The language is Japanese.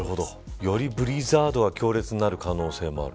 よりブリザードが強烈になる可能性もある。